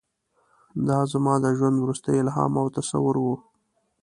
دا زما د ژوند وروستی الهام او تصور و.